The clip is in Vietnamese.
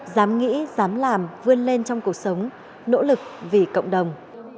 dám nghĩ dám làm vươn lên trong cuộc sống nỗ lực vì cộng đồng